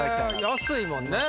安いもんね。